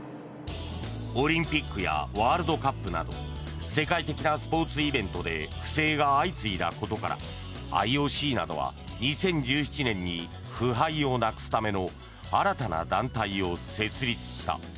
オリンピックやワールドカップなど世界的なスポーツイベントで不正が相次いだことからＩＯＣなどは２０１７年に腐敗をなくすための新たな団体を設立した。